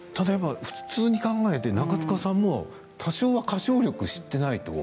普通に考えて長塚さんも多少、歌唱力を知っていないと。